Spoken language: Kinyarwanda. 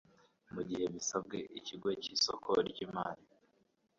Mu gihe bisabwe Ikigo cy isoko ry imari